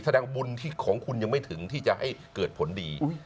แสดงบุญที่ของคุณยังไม่ถึงที่จะให้เกิดผลดี